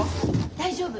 大丈夫。